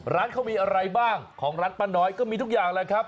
ร้านเขามีอะไรบ้างของร้านป้าน้อยก็มีทุกอย่างแหละครับ